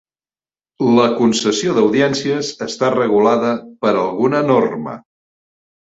La concessió d'audiències està regulada per alguna norma.